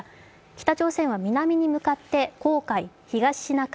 北朝鮮は南に向かって黄海、東シナ海